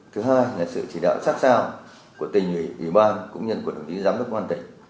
thứ hai là sự chỉ đạo sát sao của tình ủy ủy ban cũng như của đồng chí giám đốc ngoan tịnh